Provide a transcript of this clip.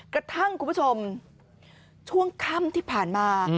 กระทั่งคุณผู้ชมช่วงค่ำที่ผ่านมา